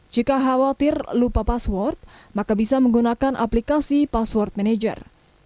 jika khawatir lupa password maka bisa menggunakan aplikasi password manager